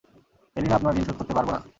এলিনা আপনার ঋণ শোধ করতে পারবো না।